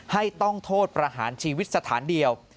ต้องโทษประหารชีวิตสถานเดียว